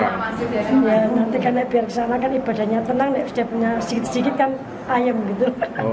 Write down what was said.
nanti karena biar ke sana kan ibadahnya tenang setiap punya sedikit sedikit kan ayam gitu